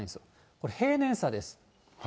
これ平年差です。